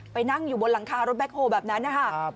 นั่งอยู่บนหลังคารถแคคโฮแบบนั้นนะคะ